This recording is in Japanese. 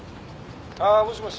あっもしもし？